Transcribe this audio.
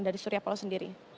dari surya paloh sendiri